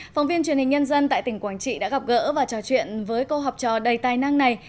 phóng viên truyền hình nhân dân tại tỉnh quảng trị đã gặp gỡ và trò chuyện với cô học trò đầy tài năng này